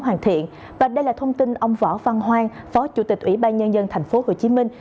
hoàn thiện và đây là thông tin ông võ văn hoang phó chủ tịch ủy ban nhân dân thành phố hồ chí minh